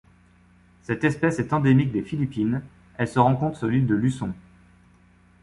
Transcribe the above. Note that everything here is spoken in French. Cette espèce est endémique des Philippines, elle se rencontre sur l'île de Luçon.